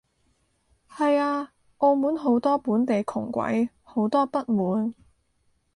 係啊，澳門好多本地窮鬼，好多不滿